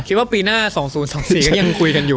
คิดว่าปีหน้า๒๐๒๔ก็ยังคุยกันอยู่